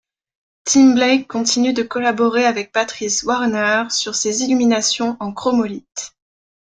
Tim Blake continue de collaborer avec Patrice Warrener sur ses illuminations en chromolithe.